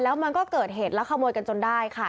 แล้วมันก็เกิดเหตุแล้วขโมยกันจนได้ค่ะ